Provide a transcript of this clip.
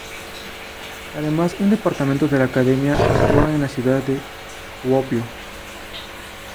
Además, un departamento de la academia actúa en la ciudad de Kuopio.